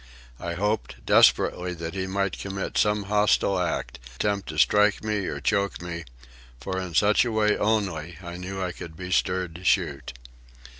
I hoped, desperately, that he might commit some hostile act, attempt to strike me or choke me; for in such way only I knew I could be stirred to shoot.